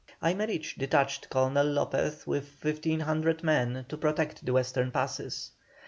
Aymerich detached Colonel Lopez with 1,500 men to protect the western passes.